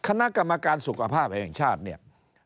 คณะกรรมการสุขภาพแห่งชาติเนี่ย